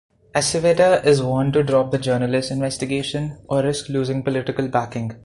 Aceveda is warned to drop the journalists investigation or risk losing political backing.